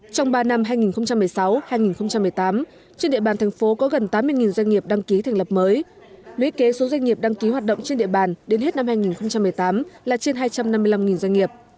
trong ba năm hai nghìn một mươi sáu hai nghìn một mươi tám trên địa bàn thành phố có gần tám mươi doanh nghiệp đăng ký thành lập mới lý kế số doanh nghiệp đăng ký hoạt động trên địa bàn đến hết năm hai nghìn một mươi tám là trên hai trăm năm mươi năm doanh nghiệp